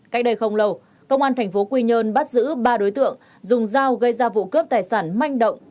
cách đây không lâu công an tp quy nhơn bắt giữ ba đối tượng dùng dao gây ra vụ cướp tài sản manh động